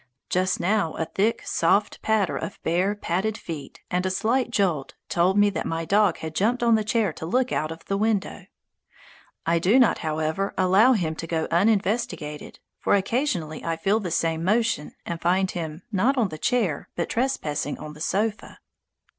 Just now a thick, soft patter of bare, padded feet and a slight jolt told me that my dog had jumped on the chair to look out of the window. I do not, however, allow him to go uninvestigated; for occasionally I feel the same motion, and find him, not on the chair, but trespassing on the sofa.